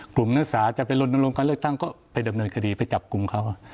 นักศึกษาจะไปลนลงการเลือกตั้งก็ไปดำเนินคดีไปจับกลุ่มเขา